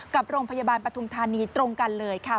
กับโรงพยาบาลปฐุมธานีตรงกันเลยค่ะ